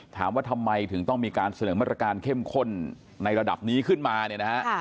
ถามว่าทำไมถึงต้องมีการเสนอมาตรการเข้มข้นในระดับนี้ขึ้นมาเนี่ยนะฮะ